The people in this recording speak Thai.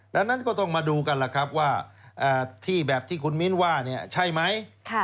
ดังนั้นก็ต้องมาดูกันล่ะครับว่าที่แบบที่คุณมิ้นว่าใช่ไหม